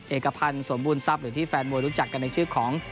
เอกพันธ์สมบูรณทรัพย์หรือที่แฟนมวยรู้จักกันในชื่อของ